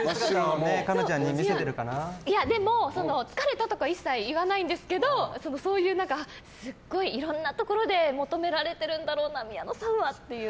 でも疲れたとか一切言わないんですけどすごいいろんなところで求められているんだろうな宮野さんはっていう。